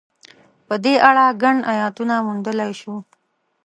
په دې اړه ګڼ ایتونه موندلای شو.